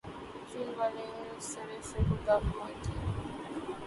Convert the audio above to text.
چین والے سرے سے خدا کو مانتے ہی نہیں۔